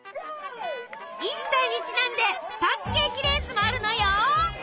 イースターにちなんでパンケーキ・レースもあるのよ。